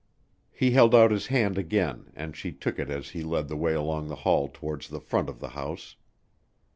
He held out his hand again and she took it as he led the way along the hall towards the front of the house.